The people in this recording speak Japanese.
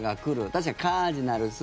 確かにカージナルス。